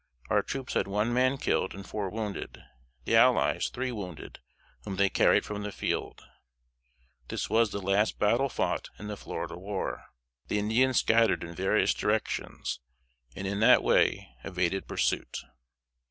Our troops had one man killed, and four wounded; the allies three wounded, whom they carried from the field. This was the last battle fought in the Florida War. The Indians scattered in various directions, and in that way evaded pursuit.